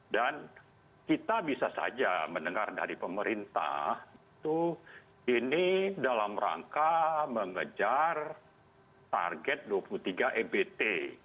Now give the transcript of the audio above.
dan kita bisa saja mendengar dari pemerintah ini dalam rangka mengejar target dua puluh tiga ebt